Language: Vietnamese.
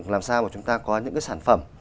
làm sao mà chúng ta có những cái sản phẩm